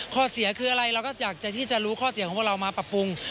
ข้อเสียคืออะไรเราก็อยากจะที่จะรู้ข้อเสียของพวกเรามาปรับปรุง